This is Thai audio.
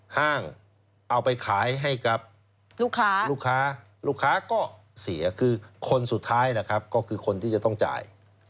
ห้างเอาไปขายให้กับลูกค้าลูกค้าก็เสียคือคนสุดท้ายนะครับก็คือคนที่จะต้องจ่าย